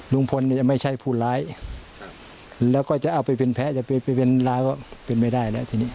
ลุงพลเนี่ยจะไม่ใช่ผู้ร้ายแล้วก็จะเอาไปเป็นแพ้จะไปเป็นร้ายก็เป็นไม่ได้แล้วทีนี้